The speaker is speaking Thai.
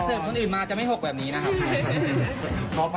กลับเสิร์ฟคนอื่นมาจะไม่หกแบบนี้นะครับ